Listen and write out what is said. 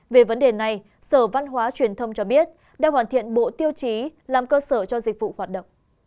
về vấn đề này sở văn hóa truyền thông cho biết đang hoàn thiện bộ tiêu chí làm cơ sở cho dịch vụ hoạt động